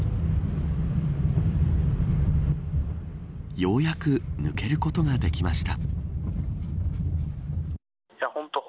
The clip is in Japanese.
ようやく抜けることができました。